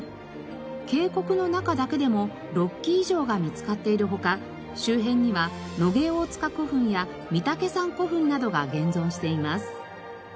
渓谷の中だけでも６基以上が見つかっている他周辺には野毛大塚古墳や御岳山古墳などが現存しています。